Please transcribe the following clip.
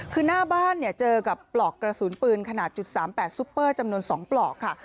คือหน้าบ้านเนี่ยเจอกับปลอกกระสุนปืนขนาด๓๘ซุปเปอร์จำนวน๒ปลอกค่ะ